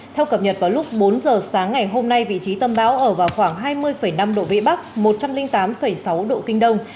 theo cập nhật vào lúc bốn giờ sáng ngày hôm nay vị trí tâm bão ở vào khoảng hai mươi năm độ vĩ bắc một trăm linh tám sáu độ kinh đông